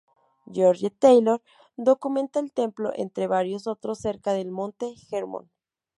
George Taylor documenta el templo entre varios otros cerca de Monte Hermón.